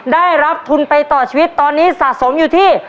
ได้รับทุนไปต่อชีวิตตอนนี้สะสมอยู่ที่